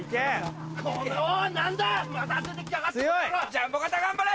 ジャンボ尾形頑張れ！